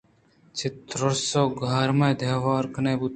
چہ تُرس ءَ گوٛرم ءَ دئور کنان بوتاں